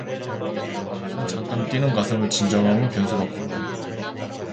그리고 잠깐 뛰는 가슴을 진정한 후에 변소 밖으로 나왔다.